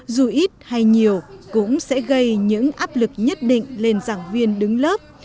dù ít hay nhiều cũng sẽ gây những áp lực nhất định lên giảng viên đứng lớp